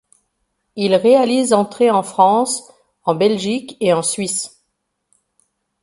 Il réalise entrées en France, en Belgique et en Suisse.